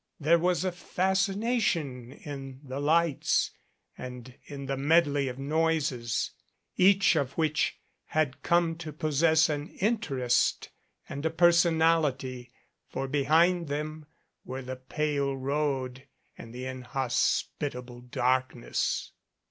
There was a fascination in the lights and in the medley of noises each of which had come to possess an interest and a personality for be hind them were the pale road and the inhospitable dark ness.